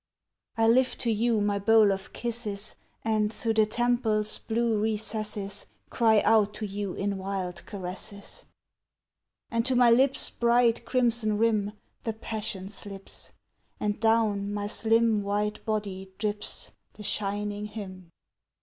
I lift to you My bowl of kisses, And through the temple's Blue recesses Cry out to you In wild caresses. And to my lips' Bright crimson rim The passion slips, And down my slim White body drips The shining hymn.